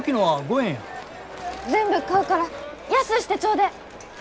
全部買うから安うしてちょうでえ！